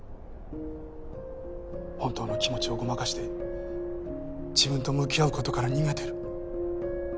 本当の気持ちをごまかして自分と向き合うことから逃げてる。